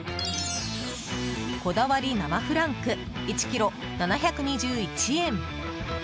こだわり生フランク１ｋｇ、７２１円。